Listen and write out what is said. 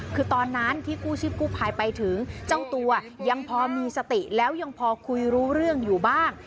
คือตอนนั้นที่กู้ชีพกู้ภัยไปถึงเจ้าตัวยังพอมีสติแล้วยังพอคุยรู้เรื่องอยู่บ้าง